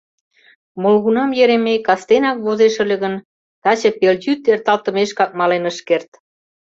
Молгунам Еремей кастенак возеш ыле гын, таче пелйӱд эрталтымешкак мален ыш керт.